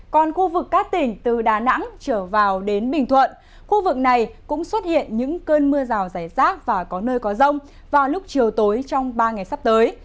còn khu vực các tỉnh từ đà nẵng trở vào đến bình thuận khu vực này cũng xuất hiện những cơn mưa rào rải rác và có nơi có rông vào lúc chiều tối trong ba ngày sắp tới